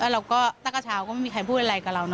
เราว่าเฮ้ย